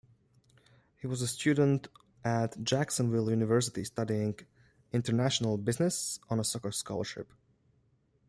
He was a student at Jacksonville University studying International Business on a soccer scholarship.